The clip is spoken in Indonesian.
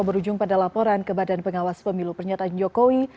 berujung pada laporan ke badan pengawas pemilu pernyataan jokowi